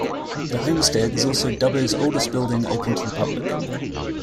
The homestead is also Dubbo's oldest building open to the public.